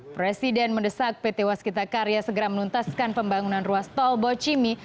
presiden mendesak pt waskita karya segera menuntaskan pembangunan ruas tol bocimi